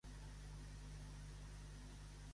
Els Simons van tenir dos fills i tres filles.